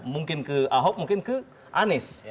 mungkin ke ahok mungkin ke anies